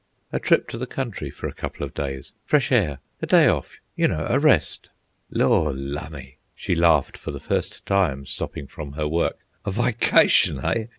"A trip to the country for a couple of days, fresh air, a day off, you know, a rest." "Lor' lumme!" she laughed, for the first time stopping from her work. "A vycytion, eh?